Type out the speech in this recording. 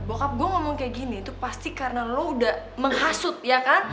bokap gue ngomong kayak gini itu pasti karena lo udah menghasut ya kan